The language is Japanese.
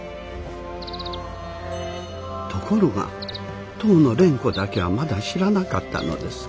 ところが当の蓮子だけはまだ知らなかったのです。